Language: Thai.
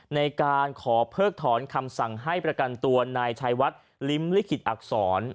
ในการขอเพิกถอนคำสั่งให้ประกันตัวนายชายวัดลิ้มลิขิตอักษร